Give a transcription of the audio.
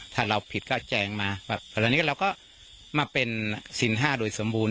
ถ้าเราผิดก็แจงมาคราวนี้เราก็มาเป็นสินห้าโดยสมบูรณ